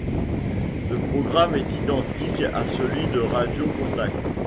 Le programme est identique à celui de Radio Contact.